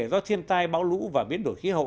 do thiên tai bão lũ và biến đổi khí hậu